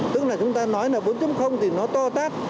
tức là chúng ta nói là bốn thì nó to tát